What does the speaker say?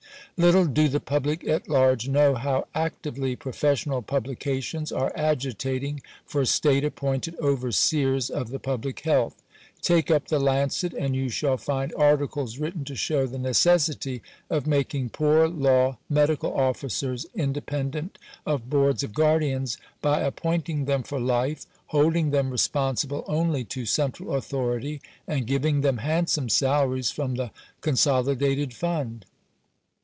Little do the public at large know how ac tively professional publications are agitating for state appointed overseers of the public health. Take up the Lancet, and you shall find articles written to show the necessity of making poor law medical officers independent of Boards of Guardians by ap pointing them for life, holding them responsible only to central authority, and giving them handsome salaries from the Conso lidated Fund.